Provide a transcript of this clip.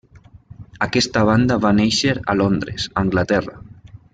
Aquesta banda va néixer a Londres, Anglaterra.